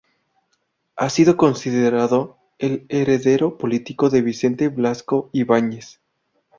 Ha sido considerado el heredero político de Vicente Blasco Ibáñez.